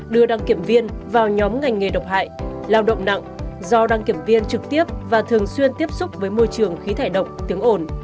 đưa đăng kiểm viên vào nhóm ngành nghề độc hại lao động nặng do đăng kiểm viên trực tiếp và thường xuyên tiếp xúc với môi trường khí thải độc tiếng ồn